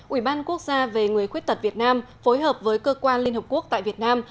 ủy ban quốc gia về người khuyết tật việt nam phối hợp với cơ quan liên hợp quốc tại việt nam